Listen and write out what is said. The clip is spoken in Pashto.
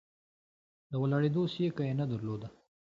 د ولاړېدو سېکه یې نه درلوده.